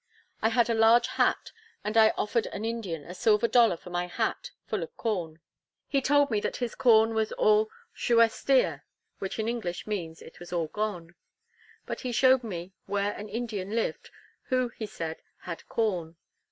I had a large hat, and I offered an Indian a silver dollar for my hat full of corn. He told me that his corn was all "shuestea," which in English means, it was all gone. But he showed me where an Indian lived, who, he said, had corn.